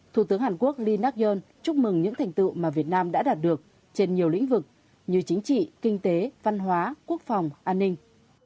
thủ tướng hàn quốc lee nak yoon chúc mừng những thành tựu mà việt nam đã đạt được trên nhiều lĩnh vực như chính trị kinh tế văn hóa quốc phòng an ninh